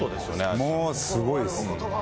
もう、すごいです。